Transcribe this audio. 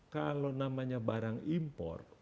kalau namanya barang impor